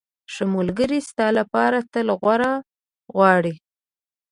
ښه ملګری ستا لپاره تل غوره غواړي.